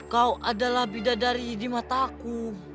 kau adalah bidadari di mataku